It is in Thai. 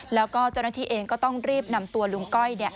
แล้วก็เจ้าหน้าที่เองก็ต้องรีบนำตัวลุงก้อย